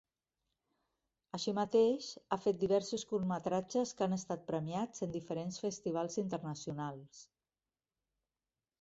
Així mateix, ha fet diversos curtmetratges que han estat premiats en diferents festivals internacionals.